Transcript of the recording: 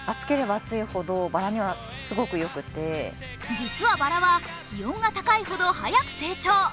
実はバラは気温が高いほど早く成長。